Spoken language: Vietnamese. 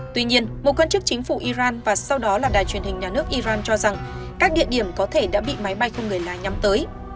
tuy nhiên một quan chức chính phủ iran và sau đó là đài truyền hình nhà nước iran cho rằng các địa điểm có thể đã bị máy bay không người lái nhắm tới